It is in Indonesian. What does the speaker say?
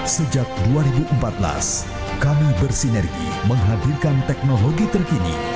sejak dua ribu empat belas kami bersinergi menghadirkan teknologi terkini